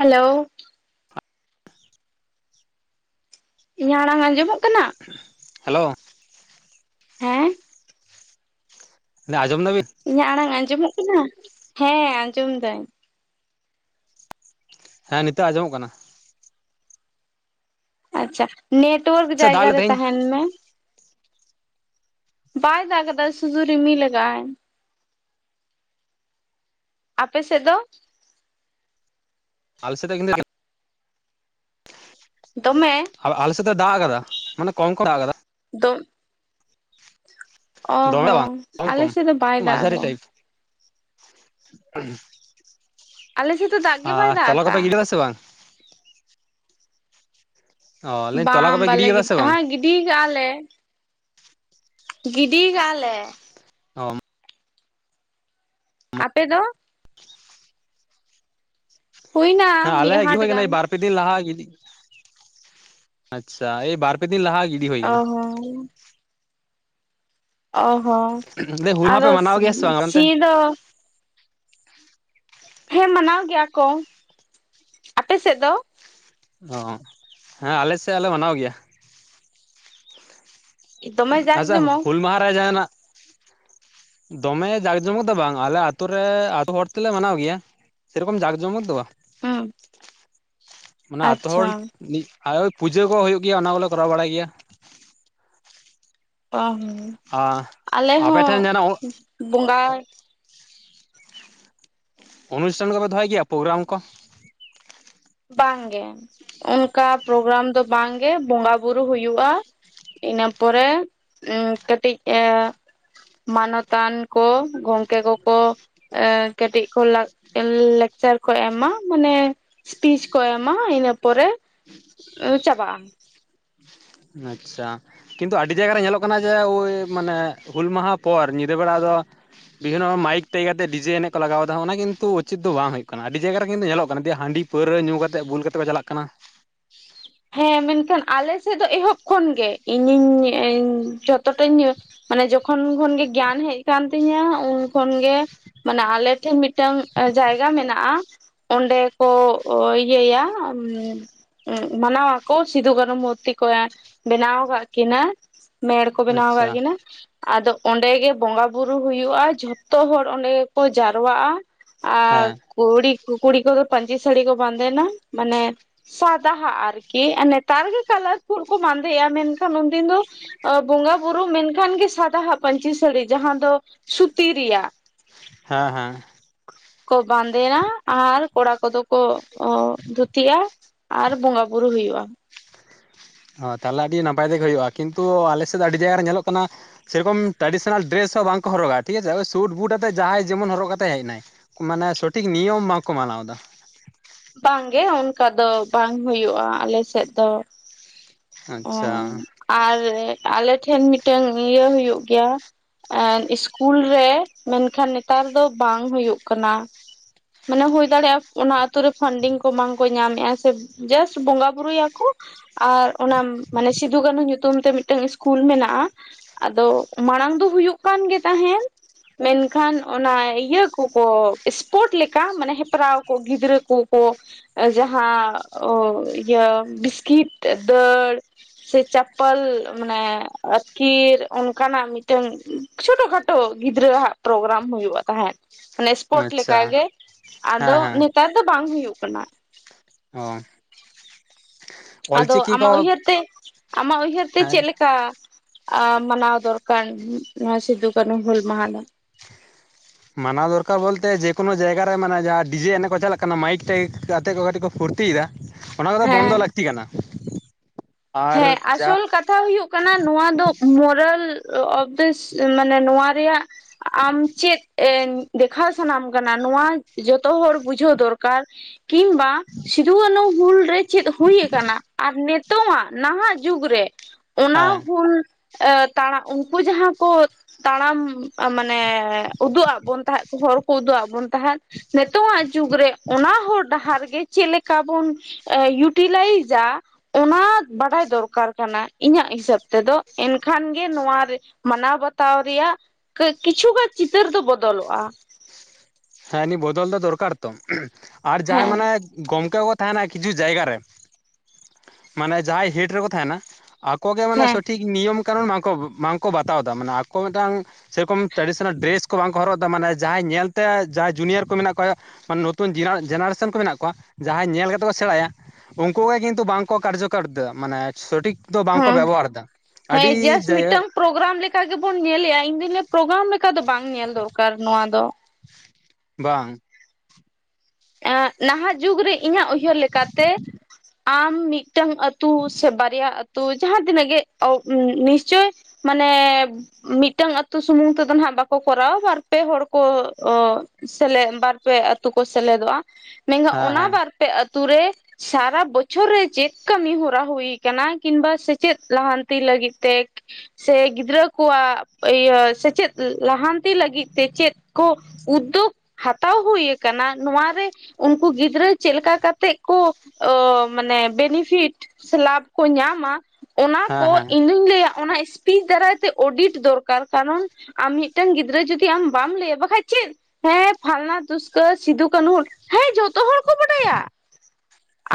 Hello. [inaudible] ᱤᱧᱟᱜ ᱟᱲᱟᱝ ᱟᱸᱡᱚᱢᱚᱜ ᱠᱟᱱᱟ? ᱦᱮᱞᱳ ᱾ ᱦᱮᱸ ᱾ [unintelligible] ᱟᱸᱡᱚᱢ ᱫᱟᱹᱵᱤᱱ? ᱤᱧᱟᱹᱜ ᱟᱲᱟᱝ ᱟᱸᱡᱚᱢᱚᱜ ᱠᱟᱱᱟ? ᱦᱮᱸ ᱟᱸᱡᱚᱢ ᱫᱟᱹᱧ ᱾ ᱦᱮᱸ ᱱᱤᱛᱚᱜ ᱟᱸᱡᱚᱢᱚᱜ ᱠᱟᱱᱟ ᱾ ᱟᱪᱪᱷᱟ ᱱᱮᱴᱣᱟᱨᱠ ᱥᱮ ᱫᱟᱜ ᱡᱟᱭᱜᱟ ᱞᱮᱫ ᱨᱮ ᱛᱟᱦᱮᱸᱧ ᱛᱟᱦᱮᱱ ᱢᱮ ᱵᱟᱭ ᱫᱟᱜ ᱠᱟᱫᱟ ᱥᱩᱫᱩ ᱨᱤᱢᱤᱞ ᱠᱟᱜᱼᱟᱭ ᱟᱯᱮ ᱥᱮᱫ ᱫᱚ ᱟᱞᱮ ᱥᱮᱫ ᱫᱚ [unintelligible] ᱫᱚᱢᱮ ᱟ ᱟᱞᱮ ᱥᱮᱜ ᱫᱚᱭ ᱫᱟᱜ ᱠᱟᱫᱟ ᱢᱟᱱᱮ ᱠᱚᱢ ᱠᱚᱢ ᱮ ᱫᱟᱜ ᱟᱠᱟᱫᱟ ᱫᱚᱢ ᱚ ᱫᱚᱢᱮ ᱫᱚ ᱵᱟᱝ ᱦᱚᱸ ᱠᱚᱢ ᱟᱞᱮ ᱠᱚᱢ ᱥᱮᱫ ᱫᱚ ᱵᱟᱭ ᱫᱟᱜ ᱢᱟᱡᱷᱟᱨᱤ ᱴᱟᱭᱤᱯ ᱟᱠᱟᱜᱼᱟ ᱟᱞᱮ ᱥᱮᱫ ᱫᱚ ᱫᱟᱜ ᱜᱮ ᱵᱟᱭ ᱟᱨ ᱫᱟᱜ ᱛᱚᱞᱟ ᱠᱚᱯᱮ ᱜᱤᱰᱤ ᱠᱟᱫᱟ ᱟᱠᱟᱜᱼᱟ ᱥᱮ ᱵᱟᱝ ᱚ ᱞᱟᱹᱭ ᱫᱟᱹᱧ ᱛᱚᱞᱟ ᱵᱟᱝ ᱠᱚᱯᱮ ᱵᱟᱞᱮ ᱠᱮᱫᱟ ᱥᱮ ᱜᱤᱰᱤ ᱵᱟᱝ ᱦᱟᱸ ᱜᱤᱰᱤ ᱠᱟᱜᱼᱟ ᱞᱮ ᱜᱤᱰᱤ ᱠᱟᱜᱼᱟ ᱞᱮ ᱚᱢ ᱟᱯᱮ ᱫᱚ ᱦᱩᱭᱱᱟ ᱦᱮᱸ ᱢᱤᱫ ᱟᱞᱮ ᱜᱤ ᱦᱟᱴ ᱦᱳᱭ ᱠᱟᱱᱟᱭ ᱜᱟᱱ ᱵᱟᱨ ᱯᱮ ᱞᱟᱦᱟ ᱜᱤᱫᱤ ᱟᱪᱪᱷᱟ ᱮᱭ ᱵᱟᱨ ᱯᱮ ᱫᱤᱱ ᱞᱟᱦᱟ ᱜᱤ ᱚ ᱦᱚᱸ ᱚ ᱦᱚᱸ ᱞᱟᱹᱭ ᱦᱩᱞ ᱢᱟᱦᱟ ᱯᱮ ᱟᱫᱚ ᱢᱟᱱᱟᱣ ᱜᱮᱭᱟ ᱥᱮ ᱵᱟᱝ ᱚᱱᱛᱮ ᱥᱤ ᱫᱚ ᱦᱮᱸ ᱢᱟᱱᱟᱣ ᱜᱮᱭᱟ ᱠᱚ ᱟᱯᱮ ᱥᱮᱜ ᱫᱚ ᱚ ᱦᱮᱸ ᱟᱞᱮ ᱥᱮᱜ ᱦᱚᱞᱮ ᱢᱟᱱᱟᱣ ᱜᱮᱭᱟ᱾ ᱫᱚᱢᱮ ᱡᱟᱠ ᱟᱪᱪᱷᱟ ᱡᱚᱢᱚᱠ ᱦᱩᱞ ᱢᱟᱦᱟ ᱨᱮ ᱡᱟᱦᱟᱸ ᱱᱟᱜ ᱫᱚᱢᱮ ᱡᱟᱠ ᱡᱚᱢᱚᱠ ᱫᱚ ᱵᱟᱝ ᱟᱞᱮ ᱟᱹᱛᱩ ᱨᱮ ᱟᱫ ᱦᱚᱲ ᱛᱮᱞᱮ ᱢᱟᱱᱟᱣ ᱜᱮᱭᱟ ᱥᱮ ᱨᱚᱠᱚᱢ ᱡᱟᱠ ᱡᱚᱢᱚᱠ ᱫᱚ ᱵᱟᱝ ᱦᱩᱸ ᱢᱟᱱᱮ ᱟᱛᱳ ᱦᱚᱲ ᱟᱪᱪᱷᱟ ᱟᱭ ᱯᱩᱡᱟᱹ ᱠᱚ ᱦᱩᱭᱩᱜ ᱜᱮᱭᱟ ᱚᱱᱟ ᱠᱚᱞᱮ ᱠᱚᱨᱟᱣ ᱵᱟᱲᱟᱭ ᱜᱮᱭᱟ ᱾ ᱚ ᱦᱚᱸ ᱟᱨ ᱟᱞᱮ ᱟᱯᱮ ᱦᱚᱸ ᱴᱷᱮᱱ ᱡᱟᱦᱟᱱᱟᱜ ᱵᱚᱸᱜᱟ ᱚᱱᱩᱥᱴᱷᱟᱱ ᱠᱚᱯᱮ ᱫᱚᱦᱚᱭ ᱜᱮᱭᱟ ᱯᱚᱜᱨᱟᱢ ᱠᱚ ᱵᱟᱝ ᱜᱮ ᱚᱱᱠᱟ ᱯᱚᱨᱚᱜᱨᱟᱢ ᱫᱚ ᱵᱟᱝ ᱜᱮ ᱵᱚᱸᱜᱟ ᱵᱩᱨᱩ ᱦᱩᱭᱩᱜᱼᱟ᱾ ᱤᱱᱟ ᱯᱚᱨᱮ ᱩᱸ ᱠᱟᱹᱴᱤᱡ ᱮ ᱢᱟᱱᱚᱛᱟᱱ ᱠᱚ ᱜᱚᱝᱠᱮ ᱠᱚᱠᱚ ᱮᱸ ᱠᱟᱹᱴᱤᱡ ᱠᱚ ᱞᱟ ᱞᱮᱠᱪᱟᱨ ᱠᱚ ᱮᱢᱟ ᱢᱟᱱᱮ ᱥᱯᱤᱪ ᱠᱚ ᱮᱢᱟ ᱤᱱᱟᱹ ᱯᱚᱨᱮ ᱪᱟᱵᱟᱜ-ᱟ᱾ ᱟᱪᱪᱷᱟ ᱠᱤᱱᱛᱩ ᱟᱹᱰᱤ ᱡᱟᱭᱜᱟ ᱨᱮ ᱧᱮᱞᱚᱜ ᱠᱟᱱᱟ ᱡᱮ ᱳᱭ ᱢᱟᱱᱮ ᱦᱩᱞ ᱢᱟᱦᱟ ᱯᱚᱨ ᱧᱤᱫᱟᱹ ᱵᱮᱲᱟ ᱫᱚ ᱵᱷᱤᱜᱱᱳ ᱦᱚ ᱢᱟᱭᱤᱠ ᱛᱮ ᱤᱠᱟᱹ ᱠᱟᱛᱮ ᱰᱤᱡᱮ ᱮᱱᱮᱡ ᱠᱚ ᱞᱟᱜᱟᱣ ᱮᱫᱟ ᱚᱱᱟ ᱠᱤᱱᱛᱩ ᱩᱪᱤᱛ ᱫᱚ ᱵᱟᱝ ᱦᱩᱭᱩᱜ ᱠᱟᱱᱟ ᱟᱹᱰᱤ ᱡᱟᱭᱜᱟ ᱨᱮ ᱠᱤᱱᱛᱩ ᱧᱮᱞᱚᱜ ᱠᱟᱱᱟ ᱫᱮ ᱦᱟᱺᱰᱤᱯ ᱯᱟᱹᱣᱨᱟᱹ ᱧᱩ ᱠᱟᱛᱮᱫ ᱵᱩᱞ ᱠᱟᱛᱮ ᱠᱚ ᱪᱟᱞᱟᱜ ᱠᱟᱱᱟ᱾ ᱦᱮᱸ ᱢᱮᱱᱠᱷᱟᱱ ᱟᱞᱮ ᱥᱮᱫ ᱫᱚ ᱮᱦᱚᱵ ᱠᱷᱚᱱ ᱜᱮ ᱤᱧᱤᱧ ᱮᱧ ᱡᱷᱚᱛᱚ ᱴᱟᱧ ᱢᱟᱱᱮ ᱡᱚᱠᱷᱚᱱ ᱠᱷᱚᱱ ᱜᱮ ᱜᱮᱭᱟᱱ ᱦᱮᱡ ᱟᱠᱟᱱᱛᱤᱧᱟᱹ ᱩᱱᱠᱷᱚᱱ ᱜᱮ ᱢᱟᱱᱮ ᱟᱞᱮᱴᱷᱮᱱ ᱢᱤᱫ ᱢᱤᱫᱴᱟᱝ ᱡᱟᱭᱜᱟ ᱢᱮᱱᱟᱜ-ᱟ ᱚᱸᱰᱮ ᱠᱚ ᱤᱭᱟᱹᱭᱟ᱾ ᱢᱟᱱᱟᱣ ᱣᱟᱠᱚ ᱥᱤᱫᱩ ᱠᱟᱹᱱᱩ ᱢᱩᱨᱛᱤ ᱠᱚ ᱮᱸ ᱵᱮᱱᱟᱣ ᱟᱠᱟᱫ ᱠᱤᱱᱟ ᱢᱮᱲ ᱠᱚ ᱵᱮᱱᱟᱣ ᱟᱪᱪᱷᱟ ᱟᱠᱟᱜ ᱠᱤᱱᱟ ᱟᱫᱚ ᱚᱸᱰᱮ ᱜᱮ ᱵᱚᱸᱜᱟ ᱵᱩᱨᱩ ᱦᱩᱭᱩᱜᱼᱟ ᱡᱷᱚᱛᱚ ᱦᱚᱲ ᱚᱸᱰᱮ ᱜᱮᱠᱚ ᱡᱟᱨᱣᱟᱜᱼᱟ᱾ ᱦᱮᱸ ᱟᱨ ᱠᱩᱲᱤ ᱠᱩᱲᱤ ᱠᱚᱫᱚ ᱯᱟᱹᱧᱪᱤ ᱥᱟᱹᱲᱤ ᱠᱚ ᱵᱟᱸᱫᱮᱱᱟ ᱢᱟᱱᱮ ᱥᱟᱫᱟ᱾ ᱟᱨᱠᱤ ᱱᱮᱛᱟᱨ ᱜᱤ ᱠᱟᱞᱟᱨ ᱯᱷᱩᱞ ᱠᱚ ᱵᱟᱸᱫᱮᱼᱟ ᱢᱮᱱᱠᱷᱟᱱ ᱩᱱᱫᱤᱱ ᱫᱚ ᱟᱹ ᱵᱚᱸᱜᱟ ᱵᱩᱨᱩ ᱢᱮᱱᱠᱷᱟᱱ ᱜᱤ ᱥᱟᱫᱟ ᱦᱟᱜ ᱯᱟᱹᱧᱪᱤ ᱥᱟᱹᱲᱤ ᱡᱟᱦᱟᱸ ᱫᱚ ᱥᱩᱛᱤ ᱨᱮᱭᱟᱜ ᱦᱮᱸ ᱦᱮᱸ ᱠᱚ ᱵᱟᱸᱫᱮᱭᱟ ᱟᱨ ᱠᱚᱲᱟ ᱠᱚᱫᱚ ᱠᱚ ᱚ ᱫᱷᱩᱛᱤᱜᱼᱟ ᱟᱨ ᱵᱚᱸᱜᱟ ᱵᱩᱨᱩ ᱦᱩᱭᱩᱜᱼᱟ᱾ ᱚ ᱛᱟᱦᱚᱞᱮ ᱟᱹᱰᱤ ᱱᱟᱯᱟᱭ ᱛᱮᱜᱮ ᱦᱩᱭᱩᱜᱼᱟ ᱠᱤᱱᱛᱩ ᱟᱞᱮᱥᱮᱫ ᱫᱚ ᱟᱹᱰᱤ ᱡᱟᱭᱜᱟ ᱨᱮ ᱧᱮᱞᱚᱜ ᱠᱟᱱᱟ ᱥᱮ ᱨᱚᱠᱚᱢ ᱴᱨᱟᱰᱤᱥᱱᱟᱞ ᱰᱮᱨᱮᱥ ᱦᱚᱸ ᱵᱟᱝᱠᱚ ᱦᱚᱨᱚᱜᱟ ᱴᱷᱤᱠ ᱟᱪᱷᱮ ᱥᱩᱴ ᱵᱩᱴ ᱟᱛᱮᱫ ᱡᱟᱦᱟᱸᱭ ᱡᱮᱢᱚᱱ ᱦᱚᱨᱚᱜ ᱠᱟᱛᱮ ᱦᱮᱡ ᱱᱟᱭ ᱢᱟᱱᱮ ᱥᱚᱴᱷᱤᱠ ᱱᱤᱭᱚᱢ ᱵᱟᱝᱠᱚ ᱢᱟᱱᱟᱣ ᱮᱫᱟ᱾ ᱵᱟᱝᱜᱮ ᱚᱱᱠᱟ ᱫᱚ ᱵᱟᱝ ᱦᱩᱭᱩᱜᱼᱟ ᱟᱞᱮᱥᱮᱫ ᱫᱚ᱾ ᱚ ᱟᱪᱪᱷᱟ ᱟᱨ ᱟᱞᱮᱴᱷᱮᱱ ᱢᱤᱫᱴᱮᱱ ᱤᱭᱟᱹ ᱦᱩᱭᱩᱜ ᱜᱮᱭᱟ᱾ ᱟᱨ ᱤᱥᱠᱩᱞ ᱨᱮ ᱢᱮᱱᱠᱷᱟᱱ ᱱᱮᱛᱟᱨ ᱫᱚ ᱵᱟᱝ ᱦᱩᱭᱩᱜ ᱠᱟᱱᱟ᱾ ᱢᱟᱱᱮ ᱦᱩᱭ ᱫᱟᱲᱮᱭᱟᱜᱼᱟ ᱚᱱᱟ ᱟᱹᱛᱩ ᱨᱮ ᱯᱷᱟᱱᱰᱤᱝ ᱠᱚ ᱵᱟᱝᱠᱚ ᱧᱟᱢ ᱮᱼᱟ ᱥᱮ ᱡᱟᱥ ᱵᱚᱸᱜᱟ ᱵᱩᱨᱩ ᱭᱟᱠᱚ᱾ ᱟᱨ ᱚᱱᱟ ᱢᱟᱱᱮ ᱥᱤᱫᱩ ᱠᱟᱹᱱᱩ ᱧᱩᱛᱩᱢ ᱛᱮ ᱢᱤᱫᱴᱟᱝ ᱤᱥᱠᱩᱞ ᱢᱮᱱᱟᱜᱼᱟ᱾ ᱟᱫᱚ ᱢᱟᱲᱟᱝ ᱫᱚ ᱦᱩᱭᱩᱜ ᱠᱟᱱᱜᱮ ᱛᱟᱦᱮᱸᱱ᱾ ᱢᱮᱱᱠᱷᱟᱱ ᱚᱱᱟ ᱤᱭᱟᱹ ᱠᱚᱠᱚ ᱯᱳᱴ ᱞᱮᱠᱟ ᱢᱟᱱᱮ ᱦᱮᱯᱨᱟᱣ ᱠᱚ ᱜᱤᱫᱽᱨᱟᱹ ᱠᱚᱠᱚ ᱡᱟᱦᱟᱸ ᱚ ᱤᱭᱟᱹ ᱵᱤᱥᱴᱤᱛ ᱫᱟᱹᱲ᱾ ᱥᱮ ᱪᱟᱯᱯᱚᱞ ᱢᱟᱱᱮ ᱟᱹᱛᱠᱤᱨ ᱚᱱᱠᱟᱱᱟᱜ ᱢᱤᱫᱴᱟᱝ ᱪᱷᱳᱴᱚ ᱠᱷᱟᱴᱳ ᱜᱤᱫᱽᱨᱟᱹᱜ ᱯᱨᱳᱜᱨᱟᱢ ᱦᱩᱭᱩᱜᱼᱟ ᱛᱟᱦᱮᱸᱫ᱾ ᱢᱟᱱᱮ ᱥᱯᱳᱴ ᱟᱪᱪᱷᱟ ᱞᱮᱠᱟᱜᱮ ᱟᱫᱚ ᱦᱮᱸ ᱦᱮᱸ ᱱᱮᱛᱟᱨ ᱫᱚ ᱵᱟᱝ ᱦᱩᱭᱩᱜ ᱠᱟᱱᱟ᱾ ᱚ ᱟᱫᱚ ᱚᱞᱪᱤᱠᱤ ᱠᱚ ᱟᱢᱟᱜ ᱩᱭᱦᱟᱹᱨ ᱛᱮ ᱟᱢᱟᱜ ᱩᱭᱦᱟᱹᱨ ᱛᱮ ᱦᱮᱸ ᱪᱮᱫ ᱞᱮᱠᱟ᱾ ᱠᱟ ᱢᱟᱱᱟᱣ ᱫᱚᱨᱠᱟᱨ ᱱᱚᱣᱟ ᱥᱤᱫᱩ ᱠᱟᱹᱱᱦᱩ ᱦᱩᱞ ᱢᱟᱦᱟ ᱫᱚ? ᱢᱟᱱᱟᱣ ᱫᱚᱨᱠᱟᱨ ᱵᱚᱞᱛᱮ ᱡᱮᱠᱳᱱᱳ ᱡᱟᱭᱜᱟ ᱨᱮ ᱢᱟᱱᱮ ᱡᱟᱦᱟᱸ ᱰᱤᱡᱮ ᱮᱱᱮᱡ ᱠᱚ ᱪᱟᱞᱟᱜ ᱠᱟᱱᱟ ᱢᱟᱭᱤᱠ ᱴᱟᱭᱤᱠ ᱟᱛᱮ ᱠᱚ ᱠᱟᱹᱴᱤᱡ ᱠᱚ ᱯᱷᱩᱨᱛᱤᱭᱮᱫᱟ ᱚᱱᱟ ᱠᱚᱫᱚ ᱵᱚᱱᱫᱚ ᱦᱮᱸ ᱞᱟᱹᱠᱛᱤ ᱠᱟᱱᱟ᱾ ᱟᱨ ᱦᱮᱸ ᱡᱟ ᱟᱥᱚᱞ ᱠᱟ ᱠᱟᱛᱷᱟ ᱦᱩᱭᱩᱜ ᱠᱟᱱᱟ ᱱᱚᱣᱟ ᱫᱚ ᱢᱚᱨᱟᱞ ᱚᱯᱷ ᱫᱤᱥ ᱢᱟᱱᱮ ᱱᱚᱣᱟ ᱨᱮᱭᱟᱜ ᱟᱢ ᱪᱮᱫ ᱮ ᱫᱮᱠᱷᱟᱣ ᱥᱟᱣᱱᱟᱢ ᱠᱟᱱᱟ ᱱᱚᱣᱟ ᱡᱚᱛᱚ ᱦᱚᱲ ᱵᱩᱡᱷᱟᱹᱣ ᱫᱚᱨᱠᱟᱨ᱾ ᱠᱤᱝᱵᱟ ᱥᱤᱫᱩ ᱠᱟᱹᱱᱩ ᱦᱩᱞ ᱨᱮ ᱪᱮᱫ ᱦᱩᱭ ᱟᱠᱟᱱᱟ ᱟᱨ ᱱᱤᱛᱚᱜᱟᱜ᱾ ᱱᱟᱦᱟᱜ ᱡᱩᱜᱽ ᱨᱮ ᱚᱱᱟ ᱦᱮᱸ ᱦᱩᱞ ᱮᱸ ᱛᱟᱲᱟ ᱩᱱᱠᱩ ᱡᱟᱦᱟᱸ ᱠᱚ ᱛᱟᱲᱟᱢ ᱢᱟᱱᱮ ᱩᱫᱩᱜ ᱟᱫ ᱵᱚᱱ ᱛᱟᱦᱮᱸᱫ᱾ ᱦᱚᱨ ᱠᱚ ᱳᱫᱩᱜ ᱟᱜ ᱵᱚᱱ ᱛᱟᱦᱮᱸᱫ᱾ ᱱᱤᱛᱚᱜ ᱟᱜ ᱡᱩᱜᱽ ᱨᱮ ᱚᱱᱟ ᱦᱚᱨ ᱰᱟᱦᱟᱨ ᱜᱮ ᱪᱮᱫ ᱞᱮᱠᱟ ᱵᱚᱱ ᱮ ᱤᱭᱩᱴᱤᱞᱟᱭᱤᱡᱼᱟ ᱚᱱᱟᱛ ᱵᱟᱰᱟᱭ ᱫᱚᱨᱠᱟᱨ ᱠᱟᱱᱟ ᱤᱧᱟᱹᱜ ᱦᱤᱥᱟᱹᱵ ᱛᱮᱫᱚ᱾ ᱮᱱᱠᱷᱟᱱ ᱜᱮ ᱱᱚᱣᱟ ᱨᱮ ᱢᱟᱱᱟᱣ ᱵᱟᱛᱟᱣ ᱨᱮᱭᱟᱜ ᱠᱤᱪᱷᱩᱜᱟᱱ ᱪᱤᱛᱟᱹᱨ ᱫᱚ ᱵᱚᱫᱚᱞᱚᱜᱼᱟ᱾ ᱦᱮᱸ ᱩᱱᱤ ᱵᱚᱫᱚᱞ ᱫᱚ ᱫᱚᱨᱠᱟᱨ ᱛᱚ ᱟᱨ ᱡᱟᱦᱟᱸᱭ ᱦᱮᱸ ᱢᱟᱱᱮ ᱜᱚᱝᱠᱮ ᱠᱚ ᱛᱟᱦᱮᱱᱟ ᱠᱤᱪᱷᱩ ᱡᱟᱭᱜᱟ ᱨᱮ, ᱢᱟᱱᱮ ᱡᱟᱦᱟᱸᱭ ᱦᱮᱴ ᱨᱮᱠᱚ ᱛᱟᱦᱮᱱᱟ᱾ ᱟᱠᱚ ᱜᱮ ᱢᱟᱱᱮ ᱦᱮᱸ ᱥᱚᱴᱷᱤᱠ ᱱᱤᱭᱚᱢ ᱠᱟᱱᱩᱱ ᱵᱟᱝ ᱠᱚ, ᱵᱟᱝ ᱠᱚ ᱵᱟᱛᱟᱣ ᱮᱫᱟ ᱢᱟᱱᱮ ᱟᱠᱚ ᱢᱤᱫ ᱴᱟᱝ ᱥᱮᱨᱚᱠᱚᱢ ᱴᱨᱟᱰᱤᱥᱚᱱᱟᱞ ᱰᱨᱮᱥ ᱠᱚ ᱵᱟᱝ ᱠᱚ ᱦᱚᱨᱚᱜ ᱮᱫᱟ, ᱢᱟᱱᱮ ᱡᱟᱦᱟᱸᱭ ᱧᱮᱞ ᱛᱮ ᱡᱟᱦᱟᱸᱭ ᱡᱩᱱᱤᱭᱟᱨ ᱠᱚ ᱢᱮᱱᱟᱜ ᱠᱚᱣᱟ, ᱢᱟᱱᱮ ᱱᱚᱛᱩᱱ ᱡᱮᱱᱟᱨᱮᱥᱚᱱ ᱠᱚ ᱢᱮᱱᱟᱜ ᱠᱚᱣᱟ, ᱡᱟᱦᱟᱸᱭ ᱧᱮᱞ ᱠᱟᱛᱮ ᱠᱚ ᱥᱮᱬᱟᱭᱟ᱾ ᱩᱱᱠᱩ ᱜᱮ ᱠᱤᱱᱛᱩ ᱵᱟᱝ ᱠᱚ ᱠᱟᱨᱡᱚᱠᱟᱨ ᱮᱫᱟ᱾ ᱢᱟᱱᱮ ᱥᱚᱴᱷᱤᱠ ᱫᱚ ᱵᱟᱝ ᱠᱚ ᱦᱮᱸ ᱵᱮᱵᱚᱦᱟᱨ ᱮᱫᱟ᱾ ᱟᱹᱰᱤ ᱦᱮᱸ ᱡᱟᱥᱴ ᱡᱟᱭᱜᱟ ᱢᱤᱫᱴᱟᱝ ᱯᱨᱳᱜᱨᱟᱢ ᱞᱮᱠᱟ ᱜᱮᱵᱚᱱ ᱧᱮᱞᱮᱜᱼᱟ, ᱤᱧᱫᱚ ᱞᱤᱭᱟᱹ ᱯᱨᱳᱜᱨᱟᱢ ᱞᱮᱠᱟ ᱫᱚ ᱵᱟᱝ ᱧᱮᱞ ᱫᱚᱨᱠᱟᱨ ᱱᱚᱣᱟ ᱫᱚ᱾ ᱵᱟᱝ᱾ ᱮᱸ ᱱᱟᱦᱟᱜ ᱡᱩᱜᱽ ᱨᱮ ᱤᱧᱟᱹᱜ ᱩᱭᱦᱟᱹᱨ ᱞᱮᱠᱟᱛᱮ ᱟᱢ ᱢᱤᱫ ᱴᱟᱝ ᱟᱛᱩ ᱥᱮ ᱵᱟᱨᱭᱟ ᱟᱹᱛᱩ ᱡᱟᱦᱟᱸ ᱛᱤᱱᱟᱹᱜ ᱜᱮ ᱚ ᱱᱤᱥᱪᱳᱭ ᱢᱟᱱᱮᱻ ᱢᱤᱫ ᱴᱟᱝ ᱟᱹᱛᱩ ᱥᱩᱢᱩᱝ ᱛᱮᱫᱚ ᱱᱟᱜ ᱵᱟᱠᱚ ᱠᱚᱨᱟᱣᱟ, ᱵᱟᱨ ᱯᱮ ᱦᱚᱲ ᱠᱚ ᱥᱮᱞᱮᱫ ᱵᱟᱨᱯᱮ ᱟᱹᱛᱩ ᱠᱚ ᱥᱮᱞᱮᱫᱚᱜᱼᱟ᱾ ᱢᱮᱱᱠᱷᱟᱱ ᱦᱮᱸ ᱚᱱᱟ ᱦᱮᱸ ᱵᱟᱨᱯᱮ ᱟᱛᱳ ᱨᱮ ᱥᱟᱨᱟ ᱵᱚᱪᱷᱚᱨ ᱨᱮ ᱪᱮᱫ ᱠᱟᱹᱢᱤ ᱦᱚᱨᱟ ᱦᱩᱭ ᱟᱠᱟᱱᱟ, ᱠᱤᱢᱵᱟ ᱥᱮᱪᱮᱫ ᱞᱟᱦᱟᱱᱛᱤ ᱞᱟᱹᱜᱤᱫ ᱛᱮ ᱥᱮ ᱜᱤᱫᱽᱨᱟᱹ ᱠᱚᱣᱟᱜ ᱤᱭᱟᱹ ᱥᱮᱪᱮᱫ ᱞᱟᱦᱟᱱᱛᱤ ᱞᱟᱹᱜᱤᱫ ᱛᱮ, ᱪᱮᱫ ᱠᱚ ᱩᱫᱽᱫᱳᱜᱽ ᱦᱟᱛᱟᱣ ᱦᱩᱭ ᱟᱠᱟᱱᱟ᱾ ᱱᱚᱣᱟ ᱨᱮ ᱩᱱᱠᱩ ᱜᱤᱫᱽᱨᱟᱹ ᱪᱮᱫ ᱞᱮᱠᱟ ᱠᱟᱛᱮᱜ ᱠᱚ, ᱢᱟᱱᱮ ᱵᱮᱱᱤᱯᱷᱤᱴ ᱥᱮ ᱞᱟᱵᱷ ᱠᱚ ᱧᱟᱢᱟ, ᱚᱱᱟ ᱦᱮᱸ ᱠᱚ ᱦᱮᱸ ᱤᱧ ᱫᱩᱧ ᱞᱟᱹᱭᱟ ᱚᱱᱟ ᱛᱤ ᱫᱟᱨᱟᱭ ᱛᱮ ᱚᱰᱤᱴ ᱫᱚᱨᱠᱟᱨ, ᱠᱟᱨᱚᱱ ᱟᱢ ᱢᱤᱫ ᱴᱟᱝ ᱜᱤᱫᱽᱨᱟᱹ ᱡᱩᱫᱤ ᱟᱢ ᱵᱟᱢ ᱞᱟᱹᱭᱟ ᱵᱟᱠᱟᱱ ᱪᱮᱫ ᱦᱮᱸ ᱯᱷᱟᱞᱱᱟ ᱫᱩᱥᱠᱚᱨ ᱥᱤᱫᱩ ᱠᱟᱹᱱᱩ ᱦᱩᱞ, ᱦᱮᱸ ᱡᱚᱛ ᱡᱚᱛᱚ ᱦᱚᱲ ᱠᱚ ᱵᱟᱰᱟᱭᱟ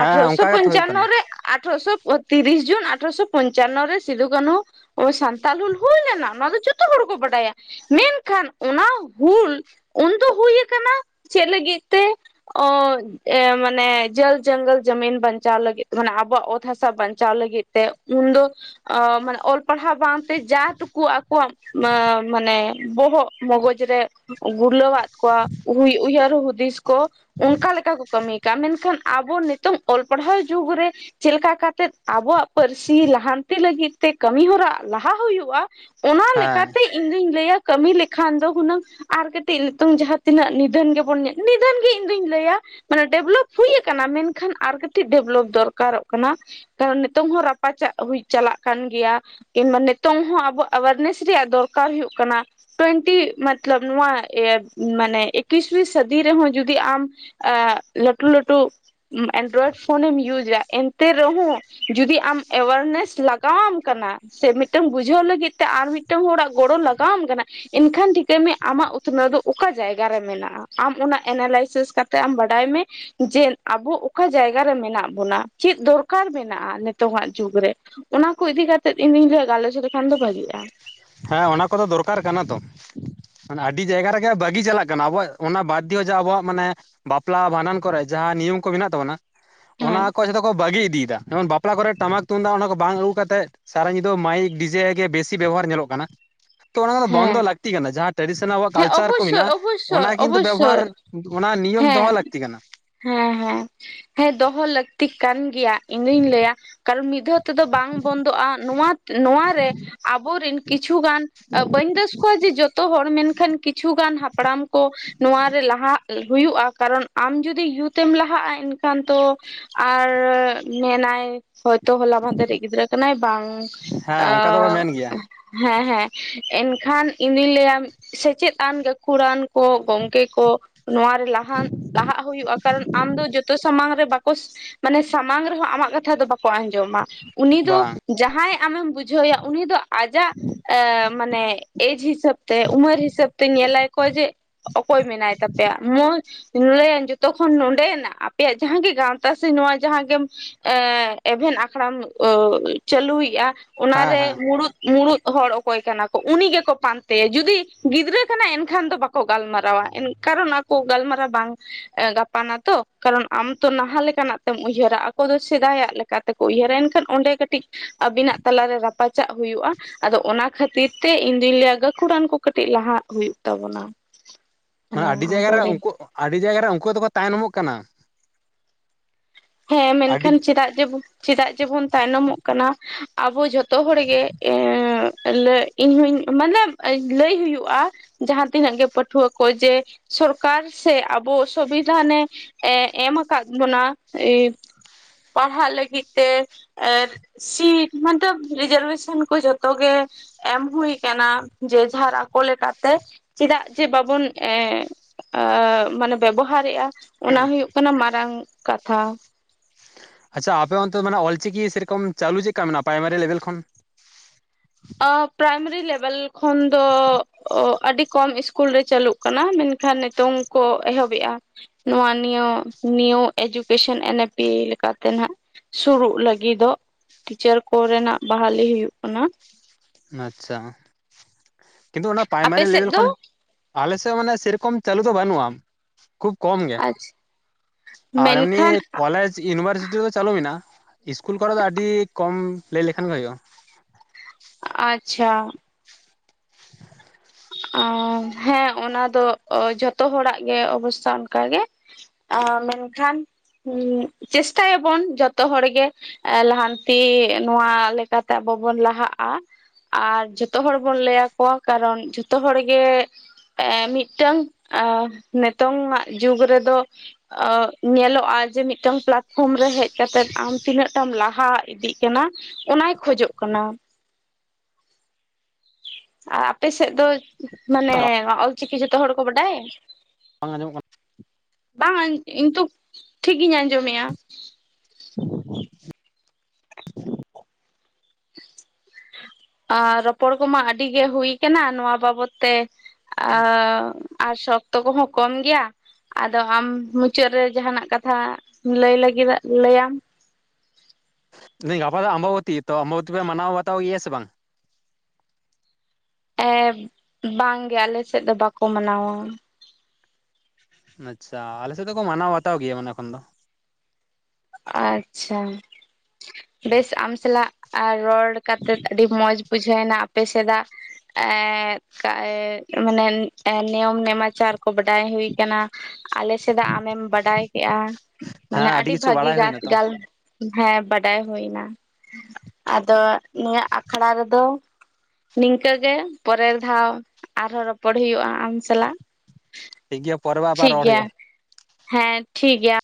ᱦᱮᱸ ᱟᱴᱷᱚᱨᱥᱚ ᱚᱱᱠᱟ ᱜᱮᱛᱚ ᱦᱩᱭᱩᱜ ᱯᱚᱧᱪᱟᱱᱚ ᱠᱟᱱᱟ ᱨᱮ ᱟᱴᱷᱚᱨᱥᱚ ᱛᱤᱨᱤᱥ ᱡᱩᱱ ᱟᱴᱷᱚᱨᱚᱥᱚ ᱯᱚᱧᱪᱟᱱᱚ ᱨᱮ ᱥᱤᱫᱩ ᱠᱟᱹᱱᱦᱩ ᱚᱭ ᱥᱟᱱᱛᱟᱞ ᱦᱩᱞ ᱦᱩᱭ ᱞᱮᱱᱟ ᱱᱚᱣᱟ ᱫᱚ ᱡᱚᱛᱚ ᱦᱚᱲ ᱠᱚ ᱵᱟᱰᱟᱭᱟ ᱢᱮᱱᱠᱷᱟᱱ ᱚᱱᱟ ᱦᱩᱞ ᱩᱱᱫᱚ ᱦᱩᱭ ᱭᱟᱠᱟᱱᱟ ᱪᱮᱫ ᱞᱟᱹᱜᱤᱫ ᱛᱮ ᱚᱸᱻ ᱮ ᱢᱟᱱᱮ ᱡᱚᱞ ᱡᱚᱝᱜᱚᱞ ᱡᱟᱢᱤᱱ ᱵᱟᱧᱪᱟᱣ ᱞᱟᱹᱜᱤᱫ ᱢᱟᱱᱮ ᱟᱵᱚᱣᱟᱜ ᱚᱛ ᱦᱟᱥᱟ ᱵᱟᱧᱪᱟᱣ ᱞᱟᱹᱜᱤᱫ ᱛᱮ ᱩᱱᱫᱚ ᱟᱻ ᱢᱟᱱᱮ ᱚᱞ ᱯᱟᱲᱦᱟᱣ ᱵᱟᱝ ᱛᱮ ᱡᱟ ᱴᱩᱠᱩ ᱟᱠᱚᱣᱟᱜ ᱢᱟᱼᱢᱟᱱᱮ ᱵᱚᱦᱚᱜ ᱢᱚᱜᱚᱡᱽ ᱨᱮ ᱜᱩᱨᱞᱟᱹᱣᱟᱜ ᱠᱚᱣᱟ ᱦᱩᱭ ᱩᱭᱦᱟᱹᱨ ᱦᱩᱫᱤᱥ ᱠᱚ ᱚᱱᱠᱟ ᱞᱮᱠᱟ ᱠᱚ ᱠᱟᱹᱢᱤ ᱠᱟ ᱢᱮᱱᱠᱷᱟᱱ ᱟᱵᱚ ᱱᱤᱛᱚᱝ ᱚᱞ ᱯᱟᱲᱦᱟᱣ ᱡᱩᱜᱽ ᱨᱮ ᱪᱮᱫ ᱞᱮᱠᱟ ᱠᱟᱛᱮᱜ ᱟᱵᱚᱣᱟᱜ ᱯᱟᱹᱨᱥᱤ ᱞᱟᱦᱟᱱᱛᱤ ᱞᱟᱹᱜᱤᱫ ᱛᱮ ᱠᱟᱹᱢᱤ ᱦᱚᱨᱟ ᱞᱟᱦᱟ ᱦᱩᱭᱩᱜᱼᱟ ᱚᱱᱟ ᱞᱮᱠᱟ ᱦᱮᱸ ᱛᱤ ᱤᱧ ᱫᱩᱧ ᱞᱟᱹᱭᱟ ᱠᱟᱹᱢᱤ ᱞᱮᱠᱷᱟᱱ ᱫᱚ ᱦᱩᱱᱟᱹᱝ ᱟᱨ ᱠᱟᱹᱴᱤᱡ ᱱᱤᱛᱚᱝ ᱡᱟᱦᱟᱸ ᱛᱤᱱᱟᱹᱜ ᱱᱤᱫᱷᱟᱹᱱ ᱜᱮᱵᱚᱱ ᱧᱮᱞ [unintelligible] [unintelligible] ᱜᱮ ᱤᱧ ᱫᱩᱧ ᱞᱟᱹᱭᱟ ᱢᱟᱱᱮ ᱰᱮᱵᱷᱞᱚᱯ ᱦᱩᱭ ᱟᱠᱟᱱᱟ ᱢᱮᱱᱠᱷᱟᱱ ᱟᱨ ᱠᱟᱹᱴᱤᱡ ᱰᱮᱵᱷᱞᱚᱯ ᱫᱚᱨᱠᱟᱨᱚᱜ ᱠᱟᱱᱟ ᱠᱟᱨᱚᱱ ᱱᱤᱛᱚᱝ ᱦᱚᱸ ᱨᱟᱯᱟᱪᱟᱜ ᱦᱩᱭ ᱪᱟᱞᱟᱜ ᱠᱟᱱ ᱜᱮᱭᱟ ᱠᱤᱱᱵᱟ ᱱᱤᱛᱚᱝ ᱦᱚᱸ ᱟᱵᱚ ᱮᱣᱟᱨᱱᱮᱥ ᱨᱮᱭᱟᱜ ᱫᱚᱨᱠᱟᱨ ᱦᱩᱭᱩᱜ ᱠᱟᱱᱟ ᱴᱩᱮᱱᱴᱤ ᱢᱚᱛᱞᱚᱵᱽ ᱱᱚᱶᱟ ᱢᱟᱱᱮ ᱮᱠᱠᱤᱥᱣᱤ ᱥᱟᱹᱫᱤ ᱨᱮᱦᱚᱸ ᱡᱩᱫᱤ ᱟᱢ ᱟᱻ ᱞᱟᱹᱴᱩ ᱞᱟᱹᱴᱩ ᱮᱱᱰᱨᱚᱭᱮᱰ ᱯᱷᱳᱱᱮᱢ ᱤᱭᱩᱡᱟ ᱮᱱᱛᱮ ᱨᱮᱦᱚᱸ ᱡᱩᱫᱤ ᱟᱢ ᱮᱣᱟᱨᱱᱮᱥ ᱞᱟᱜᱟᱣᱟᱢ ᱠᱟᱱᱟ ᱥᱮ ᱢᱤᱫᱴᱟᱹᱝ ᱵᱩᱡᱷᱟᱹᱣ ᱞᱟᱹᱜᱤᱫ ᱛᱮ ᱟᱨ ᱢᱤᱫᱴᱟᱹᱝ ᱦᱚᱲᱟᱜ ᱜᱚᱲᱚ ᱞᱟᱜᱟᱣᱟᱢ ᱠᱟᱱᱟ᱾ ᱮᱱᱠᱷᱟᱱ ᱴᱷᱤᱠᱟᱹᱭ ᱢᱮ ᱟᱢᱟᱜ ᱩᱛᱱᱟᱹᱣ ᱫᱚ ᱚᱠᱟ ᱡᱟᱭᱜᱟ ᱨᱮ ᱢᱮᱱᱟᱜᱼᱟ᱾ ᱟᱢ ᱚᱱᱟ ᱮᱱᱟᱞᱟᱭᱥᱤᱥ ᱠᱟᱛᱮᱜ ᱟᱢ ᱵᱟᱰᱟᱭ ᱢᱮ᱾ ᱡᱮ ᱟᱵᱚ ᱚᱠᱟ ᱡᱟᱭᱜᱟ ᱨᱮ ᱢᱮᱱᱟᱜ ᱵᱚᱱᱟ, ᱪᱮᱫ ᱫᱚᱨᱠᱟᱨ ᱢᱮᱱᱟᱜᱼᱟ ᱱᱤᱛᱚᱝᱼᱟᱜ ᱡᱩᱜᱽ ᱨᱮ᱾ ᱚᱱᱟ ᱠᱚ ᱤᱫᱤ ᱠᱟᱛᱮᱫ ᱤᱧ ᱫᱩᱧ ᱞᱮᱭᱟ ᱜᱟᱞᱚᱪ ᱞᱮᱠᱷᱟᱱ ᱫᱚ ᱵᱷᱟᱹᱜᱤᱜᱼᱟ᱾ ᱦᱮᱸ ᱚᱱᱟ ᱠᱚᱫᱚ ᱫᱚᱨᱠᱟᱨ ᱠᱟᱱᱟ ᱛᱚ᱾ ᱢᱟᱱᱮ ᱟᱹᱰᱤ ᱡᱟᱭᱜᱟ ᱨᱮᱜᱮ ᱵᱟᱹᱜᱤ ᱪᱟᱞᱟᱜ ᱠᱟᱱᱟ ᱟᱵᱚᱣᱟᱜ ᱚᱱᱟ ᱵᱟᱫᱽ ᱫᱤᱭᱮ ᱡᱮ ᱚᱱᱟ ᱟᱵᱚᱣᱟᱜ ᱢᱟᱱᱮ ᱵᱟᱯᱞᱟ, ᱵᱷᱟᱸᱰᱟᱱ ᱠᱚᱨᱮ ᱡᱟᱦᱟᱸ ᱱᱤᱭᱚᱢ ᱠᱚ ᱢᱮᱱᱟᱜ ᱛᱟᱵᱚᱱᱟ ᱚᱱᱟ ᱦᱮᱸ ᱠᱚ ᱡᱷᱚᱛᱚ ᱠᱚ ᱵᱟᱹᱜᱤ ᱤᱫᱤᱭ ᱮᱫᱟ᱾ ᱡᱮᱢᱚᱱ ᱵᱟᱯᱼᱼ ᱵᱟᱯᱞᱟ ᱠᱚᱨᱮ ᱴᱟᱢᱟᱠ ᱛᱩᱢᱫᱟᱜ ᱚᱱᱟ ᱠᱚ ᱵᱟᱝ ᱟᱹᱜᱩ ᱠᱟᱛᱮᱫ ᱥᱟᱨᱟ ᱧᱤᱫᱟᱹ ᱢᱟᱭᱤᱠ ᱰᱤᱡᱮ ᱜᱮ ᱵᱮᱥᱤ ᱵᱮᱵᱚᱦᱟᱨ ᱧᱮᱞᱚᱜ ᱠᱟᱱᱟ, ᱛᱚ ᱚᱱᱟ ᱠᱚᱫᱚ ᱵᱚᱱᱫᱚ ᱦᱮᱸ ᱞᱟᱹᱠᱛᱤ ᱠᱟᱱᱟ ᱡᱟᱦᱟᱸ ᱴᱟᱮᱰᱤᱥᱚᱱᱟᱞ ᱟᱵᱚᱣᱟᱜ ᱦᱮᱸ ᱠᱟᱞᱪᱟᱨ ᱠᱚ ᱚᱵᱚᱥᱥᱳᱭ ᱢᱮᱱᱟᱜᱼᱟ ᱚᱵᱚᱥᱥᱳᱭ ᱚᱱᱟ ᱠᱤᱱᱛᱩ ᱵᱮᱵᱚᱦᱟᱨ ᱚᱵᱚᱥᱥᱳᱭ ᱚᱱᱟ ᱱᱤᱭᱚᱢ ᱦᱮᱸ ᱫᱚᱦᱚ ᱞᱟᱹᱠᱛᱤ ᱠᱟᱱᱟ᱾ ᱦᱮᱸ ᱦᱮᱸ, ᱦᱮᱸ ᱫᱚᱦᱚ ᱞᱟᱹᱠᱛᱤ ᱠᱟᱱ ᱜᱮᱭᱟ ᱤᱧ ᱫᱩᱧ ᱞᱟᱹᱭᱟ ᱠᱟᱨᱚᱱ ᱢᱤᱫ ᱫᱷᱟᱣ ᱛᱮᱫᱚ ᱵᱟᱝ ᱵᱚᱱᱫᱚᱜᱼᱟ ᱱᱚᱣᱟᱛ ᱱᱚᱣᱟ ᱨᱮ ᱟᱵᱚ ᱨᱤᱱ ᱠᱤᱪᱷᱩᱜᱟᱱ ᱵᱟᱹᱧ ᱫᱚᱥ ᱠᱚᱣᱟ ᱡᱮ ᱡᱚᱛᱚ ᱦᱚᱲ ᱢᱮᱱᱠᱷᱟᱱ ᱠᱤᱪᱷᱩᱜᱟᱱ ᱦᱟᱯᱲᱟᱢ ᱠᱚ ᱱᱚᱣᱟ ᱨᱮ ᱞᱟᱦᱟᱜ ᱦᱩᱭᱩᱜᱼᱟ᱾ ᱠᱟᱨᱚᱱ ᱟᱢ ᱡᱩᱫᱤ ᱤᱭᱩᱛ ᱮᱢ ᱞᱟᱦᱟᱜᱼᱟ ᱮᱱᱠᱷᱟᱱ ᱛᱚ ᱟᱨᱻ ᱢᱮᱱᱟᱭ ᱦᱚᱭᱛᱚ ᱦᱚᱞᱟ ᱢᱟᱸᱦᱫᱮᱨᱤᱡ ᱜᱤᱫᱽᱨᱟᱹ ᱠᱟᱱᱟᱭ ᱵᱟᱝ ᱦᱮᱸ ᱟᱻ ᱚᱱᱠᱟ ᱫᱚᱠᱚ ᱢᱮᱱ ᱜᱮᱭᱟ ᱦᱮᱸ ᱦᱮᱸ ᱮᱱᱠᱷᱟᱱ ᱤᱧᱫᱩᱧ ᱞᱟᱹᱭᱟ ᱥᱮᱪᱮᱫ ᱟᱱ ᱜᱟᱹᱠᱷᱩᱲᱟᱱ ᱠᱚ ᱜᱚᱝᱠᱮ ᱠᱚ ᱱᱚᱶᱟ ᱨᱮ ᱞᱟᱦᱟᱱ ᱞᱟᱦᱟᱜ ᱦᱩᱭᱩᱜᱼᱟ, ᱠᱟᱨᱚᱱ ᱟᱢ ᱫᱚ ᱡᱚᱛᱚ ᱥᱟᱢᱟᱝ ᱨᱮ ᱵᱟᱼᱼ ᱠᱳᱥ ᱢᱟᱱᱮ ᱥᱟᱢᱟᱝ ᱨᱮᱦᱚᱸ ᱟᱢᱟᱜ ᱠᱟᱛᱷᱟ ᱫᱚ ᱵᱟᱠᱚ ᱟᱸᱡᱚᱢᱟ ᱩᱱᱤ ᱫᱚ ᱵᱟᱝ ᱡᱟᱦᱟᱸᱭ ᱟᱢᱮᱢ ᱵᱩᱡᱷᱟᱹᱣᱮᱭᱟ ᱩᱱᱤ ᱫᱚ ᱟᱡᱟᱜ ᱮ [inaudible] ᱢᱟᱱᱮ ᱮᱡᱽ ᱦᱤᱥᱟᱹᱵ ᱛᱮ ᱩᱢᱟᱹᱨ ᱦᱤᱥᱟᱹᱵ ᱛᱮ ᱧᱮᱞᱟᱭ ᱠᱚ ᱡᱮ ᱚᱠᱚᱭ ᱢᱮᱱᱟᱭ ᱛᱟᱯᱮᱭᱟ ᱢᱚᱦᱡᱽ ᱞᱟᱹᱭᱟᱹᱧ ᱡᱚᱛᱚ ᱠᱷᱚᱱ ᱱᱚᱸᱰᱮᱱᱟᱜ ᱟᱯᱮᱭᱟᱜ ᱡᱟᱦᱟᱸ ᱜᱮ ᱜᱟᱶᱛᱟ ᱥᱮ ᱱᱚᱣᱟ ᱡᱟᱦᱟᱸ ᱜᱮᱢ ᱮᱸᱻ ᱮᱵᱷᱮᱱ ᱟᱠᱷᱲᱟᱢ ᱳᱜᱻ ᱪᱟᱹᱞᱩᱭᱮᱜᱼᱟ᱾ ᱦᱮᱸ ᱚᱱᱟᱨᱮ ᱦᱮᱸ ᱢᱩᱲᱩᱫ ᱢᱩᱲᱩᱫ ᱦᱚᱲ ᱚᱠ ᱚᱠᱚᱭ ᱠᱟᱱᱟ ᱠᱚ ᱩᱱᱤ ᱜᱮᱠᱚ ᱯᱟᱱᱛᱮᱭᱟ᱾ ᱡᱩᱫᱤ ᱜᱤᱫᱽᱨᱟᱹ ᱠᱟᱱᱟᱭ ᱮᱱᱠᱷᱟᱱ ᱫᱚ ᱵᱟᱠᱚ ᱜᱟᱞᱢᱟᱨᱟᱣᱟ᱾ ᱮᱱ ᱠᱟᱨᱚᱱ ᱟᱠᱼᱼ ᱠᱚ ᱜᱟᱞᱢᱟᱨᱟᱣ ᱵᱟᱝ ᱜᱟᱯᱟᱱᱟ ᱛᱚ ᱠᱟᱨᱚᱱ ᱟᱢ ᱛᱚ ᱱᱟᱦᱟᱜ ᱞᱮᱠᱟᱱᱟᱜ ᱛᱮᱢ ᱩᱭᱦᱟᱹᱨᱟ ᱟᱠᱚ ᱫᱚ ᱥᱮᱫᱟᱭᱟᱜ ᱞᱮᱠᱟ ᱠᱟᱛᱮ ᱠᱚ ᱩᱭᱦᱟᱹᱨᱟᱹ ᱮᱱᱠᱷᱟᱱ ᱚᱸᱰᱮ ᱠᱟᱹᱴᱤᱡ ᱟᱹᱵᱤᱱᱟᱜ ᱛᱟᱞᱟ ᱨᱮ ᱨᱟᱯᱟᱪᱟᱜ ᱦᱩᱭᱩᱜᱼᱟ᱾ ᱟᱫᱚ ᱚᱱᱟ ᱠᱷᱟᱹᱛᱤᱨ ᱛᱮ ᱤᱧ ᱫᱩᱧ ᱞᱟᱹᱭᱟ ᱜᱟᱹᱠᱷᱩᱲᱟᱱ ᱠᱚ ᱠᱟᱹᱴᱤᱡ ᱞᱟᱦᱟᱜ ᱦᱩᱭᱩᱜ ᱛᱟᱵᱚᱱᱟ᱾ ᱢᱟᱱᱮ ᱟᱹᱰᱤ ᱡᱟᱭᱜᱟ ᱨᱮ ᱚᱝᱠᱳ ᱟᱹᱰᱤ ᱡᱟᱭᱜᱟ ᱨᱮ ᱚᱝᱠᱳ ᱦᱚ ᱛᱚ ᱠᱚ ᱛᱟᱭᱱᱚᱢᱚᱜ ᱠᱟᱱᱟ᱾ ᱦᱮᱸ ᱟᱹᱰᱤ ᱢᱮᱱᱠᱷᱟᱱ ᱪᱮᱫᱟᱜ ᱡᱮ ᱵᱚ ᱪᱮᱫᱟᱜ ᱡᱮᱵᱚᱱ ᱛᱟᱭᱱᱚᱢᱚᱜ ᱠᱟᱱᱟ ᱟᱵᱚ ᱡᱚᱛᱚ ᱛᱚ ᱦᱚᱲᱜᱮ ᱮᱸᱻ᱾ ᱞᱟᱹ ᱤᱧᱦᱩᱧ ᱢᱟᱱᱮ ᱞᱟᱹᱭ ᱦᱩᱭᱩᱜᱼᱟ ᱡᱟᱦᱟᱸ ᱛᱤᱱᱟᱹᱜ ᱜᱮ ᱯᱟᱹᱴᱷᱩᱣᱟᱹ ᱠᱚ ᱡᱮ ᱥᱚᱨᱠᱟᱨ ᱥᱮ ᱟᱵᱚ ᱥᱚᱵᱤᱫᱷᱟᱱᱮ ᱮᱸ ᱮᱢ ᱟᱠᱟᱫ ᱵᱚᱱᱟ᱾ ᱮ ᱯᱟᱲᱦᱟᱜ ᱞᱟᱹᱜᱤᱫ ᱛᱮ ᱟᱨ ᱥᱤᱴ ᱢᱚᱱᱛᱚᱵᱽ ᱨᱤᱡᱟᱨᱵᱷᱮᱥᱚᱱ ᱠᱚ ᱡᱚᱛᱚ ᱜᱮ ᱮᱢ ᱦᱩᱭ ᱟᱠᱟᱱᱟ ᱡᱮ ᱡᱷᱟᱨ ᱟᱠᱚ ᱞᱮᱠᱟᱛᱮ ᱪᱮᱫᱟᱜ ᱡᱮ ᱵᱟᱵᱚᱱ ᱮᱸ᱾ ᱟ ᱢᱟᱱᱮ ᱵᱮᱵᱚᱦᱟᱨᱮᱫᱼᱟ ᱚᱱᱟ ᱦᱩᱭᱩᱜ ᱠᱟᱱᱟ ᱢᱟᱨᱟᱝ ᱠᱟᱛᱷᱟ᱾ ᱟᱪᱪᱷᱟ ᱟᱯᱮ ᱚᱱᱛᱮ ᱫᱚ ᱢᱟᱱᱮ ᱚᱞ-ᱪᱤᱠᱤ ᱥᱮᱨᱚᱠᱚᱢ ᱪᱟᱹᱞᱩ ᱪᱮᱫᱠᱟ ᱢᱮᱱᱟᱜᱼᱟ ᱯᱨᱟᱭᱢᱟᱨᱤ ᱞᱮᱵᱮᱞ ᱠᱷᱚᱱ᱾ ᱚ ᱯᱨᱟᱭᱢᱟᱨᱤ ᱞᱮᱵᱮᱞ ᱠᱷᱚᱱ ᱫᱚ ᱟᱹᱰᱤ ᱠᱚᱢ ᱤᱥᱠᱩᱞ ᱨᱮ ᱪᱟᱹᱞᱩᱜ ᱠᱟᱱᱟ ᱢᱮᱱᱠᱷᱟᱱ ᱱᱤᱛᱚᱝ ᱠᱚ ᱮᱦᱚᱵᱮᱜᱼᱟ᱾ ᱱᱚᱣᱟ ᱱᱤᱭᱟᱹ ᱱᱤᱭᱩ ᱮᱡᱩᱠᱮᱥᱮᱱ ᱮᱱ ᱮ ᱯᱤ ᱞᱮᱠᱟᱛᱮ ᱱᱟᱦᱟᱸᱜ᱾ ᱥᱩᱨᱩᱜ ᱞᱟᱹᱜᱤᱫᱚᱜ ᱴᱤᱪᱟᱨ ᱠᱚᱨᱮᱱᱟᱜ ᱵᱟᱦᱟᱞᱤ ᱦᱩᱭᱩᱜ ᱠᱟᱱᱟ᱾ ᱟᱪᱪᱷᱟ᱾ ᱠᱤᱱᱛᱩ ᱚᱱᱟ ᱟᱯᱮ ᱯᱟᱭᱢᱟᱨᱤ ᱥᱮᱫ ᱞᱮᱵᱮᱞ ᱫᱚ ᱠᱷᱚᱱ ᱟᱞᱮᱥᱮᱜ ᱢᱟᱱᱮ ᱥᱮᱨᱚᱠᱚᱢ ᱪᱟᱹᱞᱩ ᱫᱚ ᱵᱟᱹᱱᱩᱜᱼᱟ᱾ ᱠᱷᱩᱵᱽ ᱠᱚᱢ ᱜᱮ ᱟᱪᱪᱷᱟ ᱟᱨ ᱮᱢᱱᱤ ᱢᱮᱱᱠᱷᱟᱱ ᱠᱚᱞᱮᱡᱽ ᱥᱮ ᱤᱱᱵᱷᱟᱨᱥᱤᱴᱤ ᱨᱮᱫᱚ ᱪᱟᱹᱞᱩ ᱢᱮᱱᱟᱜᱼᱟ᱾ ᱤᱥᱠᱩᱞ ᱠᱚᱨᱮ ᱫᱚ ᱟᱹᱰᱤ ᱠᱚᱢ ᱞᱟᱹᱭ ᱞᱮᱠᱷᱟᱱ ᱜᱮ ᱦᱳᱭᱳᱜᱼᱟ᱾ ᱟᱪᱪᱷᱟ ᱾ ᱦᱮᱸ ᱚᱱᱟ ᱫᱚ ᱡᱷᱚᱛᱚ ᱦᱚᱲᱟᱜ ᱜᱮ ᱚᱵᱚᱥᱛᱷᱟ ᱚᱱᱠᱟᱜ ᱜᱮ ᱾ ᱢᱮᱱᱠᱷᱟᱱ ᱪᱮᱥᱴᱟ ᱭᱟᱵᱚᱱ ᱡᱚᱛᱚ ᱦᱚᱲ ᱜᱮ ᱾ ᱞᱟᱦᱟᱱᱛᱤ ᱱᱚᱣᱟ ᱞᱮᱠᱟᱛᱮ ᱟᱵᱚ ᱵᱚᱱ ᱞᱟᱦᱟᱜᱼᱟ ᱾ ᱟᱨ ᱡᱚᱛᱚ ᱦᱚᱲ ᱵᱚᱱ ᱞᱟᱹᱭᱟ ᱟᱠᱚᱣᱟ ᱠᱟᱨᱚᱱ [unintelligible] ᱡᱚᱛᱚ ᱦᱚᱲ ᱜᱮ ᱮ ᱢᱤᱫᱴᱟᱝ ᱱᱤᱛᱚᱝ ᱟᱜ ᱡᱩᱜᱽ ᱨᱮᱫᱚ ᱧᱮᱞᱚᱜᱼᱟ ᱡᱮ ᱢᱤᱫᱴᱟᱝ ᱯᱞᱟᱴᱯᱷᱨᱚᱢ ᱨᱮ ᱦᱮᱡ ᱠᱟᱛᱮᱜ ᱟᱢ ᱛᱤᱱᱟᱹᱜᱴᱟᱢ ᱞᱟᱦᱟ ᱤᱫᱤᱜ ᱠᱟᱱᱟ ᱾ ᱚᱱᱟᱭ ᱠᱷᱚᱡᱚᱜ ᱠᱟᱱᱟ ᱾ [inaudible] ᱟᱨ ᱟᱯᱮ ᱥᱮᱫ ᱫᱚ ᱢᱟᱱᱮ ᱚᱞᱪᱤᱠᱤ ᱡᱚᱛᱚ ᱦᱚᱲ ᱠᱚ ᱵᱟᱰᱟᱭ? ᱵᱟᱝ ᱟᱸᱡᱚᱢᱚᱜ ᱠᱟᱱᱟ ᱾ ᱵᱟᱝ ᱤᱧ ᱛᱚ ᱴᱷᱤᱠ ᱜᱤᱧ ᱟᱸᱡᱚᱢᱮᱫᱼᱟ ᱾ [unintelligible] ᱟᱨ ᱨᱚᱯᱚᱲ ᱠᱚᱢᱟ ᱟᱹᱰᱤ ᱜᱮ ᱦᱩᱭ ᱟᱠᱟᱱᱟ ᱱᱚᱣᱟ ᱵᱟᱵᱚᱛ ᱛᱮ ᱾ ᱟᱨ ᱥᱚᱠᱛᱚ ᱠᱚᱦᱚᱸ ᱠᱚᱢ ᱜᱮᱭᱟ ᱾ ᱟᱫᱚ ᱟᱢ ᱢᱩᱪᱟᱹᱫ ᱨᱮ ᱡᱟᱦᱟᱸ ᱱᱟᱜ ᱠᱟᱛᱷᱟ ᱞᱟᱹᱭ ᱞᱟᱹᱜᱤᱫ ᱞᱟᱹᱭᱟᱢ? [unintelligible] ᱜᱟᱯᱟ ᱫᱚ ᱟᱢᱵᱟᱵᱚᱛᱤ ᱛᱚ ᱟᱢᱵᱟᱵᱚᱛᱤ ᱯᱮ ᱢᱟᱱᱟᱣ ᱵᱟᱛᱟᱣ ᱜᱮᱭᱟ ᱥᱮ ᱵᱟᱝ? ᱮ ᱵᱟᱝ ᱜᱮ ᱟᱞᱮ ᱥᱮᱫ ᱫᱚ ᱵᱟᱠᱚ ᱢᱟᱱᱟᱣᱟ ᱾ ᱟᱪᱪᱷᱟ ᱟᱞᱮᱥᱮᱫ ᱫᱚᱠᱚ ᱢᱟᱱᱟᱣ ᱵᱟᱛᱟᱣ ᱜᱮᱭᱟ ᱢᱟᱱᱮ ᱮᱠᱷᱚᱱ ᱫᱚ ᱾ ᱟᱪᱪᱷᱟ ᱵᱮᱥ ᱟᱢ ᱥᱟᱞᱟᱜ ᱨᱚᱲ ᱠᱟᱛᱮ ᱟᱹᱰᱤ ᱢᱚᱸᱡᱽ ᱵᱩᱡᱷᱟᱹᱣᱱᱟ ᱟᱯᱮ ᱥᱮᱫᱟᱜ ᱮ ᱢᱟᱱᱮ ᱱᱤᱭᱚᱢ ᱱᱮᱢᱟᱪᱟᱨ ᱠᱚ ᱵᱟᱰᱟᱭ ᱦᱩᱭ ᱠᱟᱱᱟ ᱟᱞᱮ ᱥᱮᱫᱟᱜ ᱟᱢᱮᱢ ᱵᱟᱰᱟᱭ ᱠᱮᱫᱼᱟ ᱾ ᱢᱟᱱᱮ ᱦᱮᱸ ᱟᱹᱰᱤ ᱠᱤᱪᱷᱩ ᱵᱷᱟᱹᱜᱤ ᱵᱟᱲᱟᱭ ᱜᱟᱱ ᱦᱩᱭᱱᱟ ᱛᱚ ᱜᱟᱞ ᱦᱮᱸ ᱵᱟᱰᱟᱭ ᱦᱩᱭ ᱮᱱᱟ ᱾ ᱟᱫᱚ ᱱᱤᱭᱟᱹ ᱟᱠᱷᱲᱟ ᱨᱮᱫᱚ ᱱᱤᱝᱠᱟᱹ ᱜᱮ ᱯᱚᱨᱮᱨ ᱫᱷᱟᱣ ᱟᱨᱦᱚᱸ ᱨᱚᱯᱚᱲ ᱦᱩᱭᱩᱜᱼᱟ ᱟᱢ ᱥᱟᱞᱟᱜ ᱾ ᱴᱷᱤᱠ ᱜᱮᱭᱟ ᱯᱚᱨᱮᱵᱟᱨ ᱟᱵᱟᱨ ᱨᱚᱲ ᱦᱩᱭᱩᱜᱼᱟ ᱾ ᱦᱮᱸ ᱴᱷᱤᱠ ᱜᱮᱭᱟ ᱾